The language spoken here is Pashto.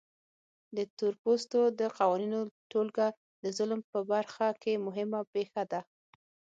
د تورپوستو د قوانینو ټولګه د ظلم په برخه کې مهمه پېښه ده.